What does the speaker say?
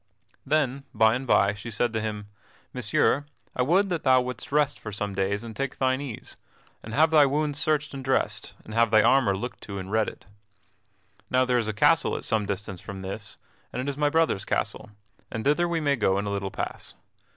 Then by and by she said to him: "Messire, I would that thou wouldst rest for some days, and take thine ease, and have thy wounds searched and dressed, and have thy armor looked to and redded. Now there is a castle at some distance from this, and it is my brother's castle, and thither we may go in a little pass.